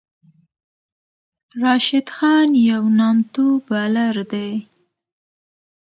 راشد خان یو نامتو بالر دئ.